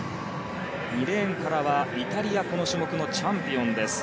２レーンからはイタリアこの種目のチャンピオンです。